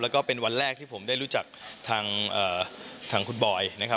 แล้วก็เป็นวันแรกที่ผมได้รู้จักทางคุณบอยนะครับ